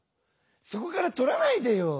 そこからとらないでよ！